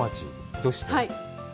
どうして？